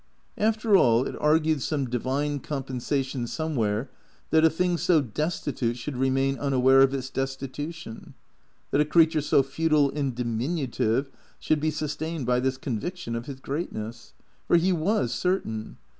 After all, it argued some divine compensation somewhere that a thing so destitute should remain unaware of its destitution, that a creature so futile and diminutive should be sustained by this conviction of his greatness. For he ivas certain.